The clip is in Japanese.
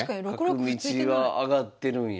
角道は上がってるんや。